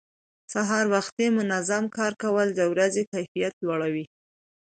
سهار وختي منظم کار کول د ورځې کیفیت لوړوي